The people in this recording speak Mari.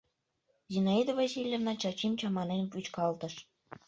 Зинаида Васильевна Чачим чаманен вӱчкалтыш: